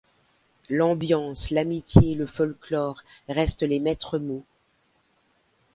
L’ambiance, l’amitié et le folklore restent les maîtres-mots.